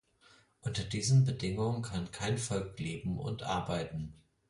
Unter diesen Bedingungen kann kein Volk leben und arbeiten.